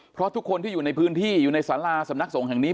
เพราะทุกคนที่อยู่ในพื้นที่อยู่ในสาราสำนักสงฆ์แห่งนี้